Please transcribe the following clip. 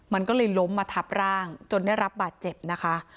มันก็เลยล้มมาทับร่างจนได้รับบาดเจ็บนะคะ